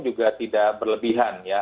juga tidak berlebihan ya